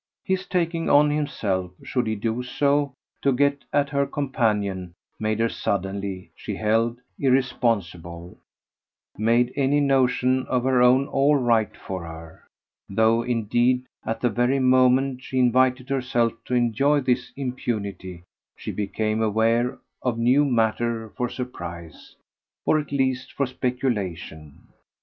His taking on himself should he do so to get at her companion made her suddenly, she held, irresponsible, made any notion of her own all right for her; though indeed at the very moment she invited herself to enjoy this impunity she became aware of new matter for surprise, or at least for speculation.